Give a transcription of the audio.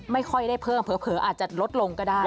ไม่ค่อยได้เพิ่มเผลออาจจะลดลงก็ได้